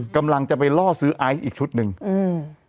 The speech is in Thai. กำลังจะไปล่อซื้อไอซ์อีกชุดหนึ่งอืม